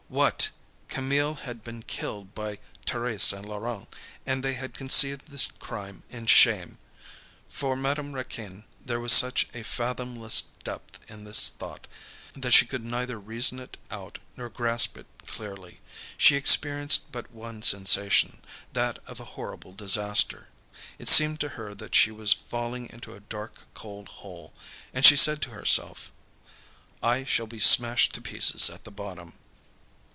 What! Camille had been killed by Thérèse and Laurent, and they had conceived the crime in shame! For Madame Raquin, there was such a fathomless depth in this thought, that she could neither reason it out, nor grasp it clearly. She experienced but one sensation, that of a horrible disaster; it seemed to her that she was falling into a dark, cold hole. And she said to herself: "I shall be smashed to pieces at the bottom."